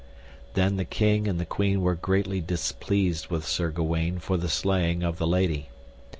Then the king and the queen were greatly displeased with Sir Gawaine for the slaying of the lady.